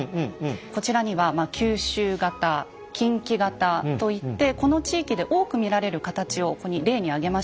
こちらには「九州型」「近畿型」といってこの地域で多く見られる形をここに例に挙げました。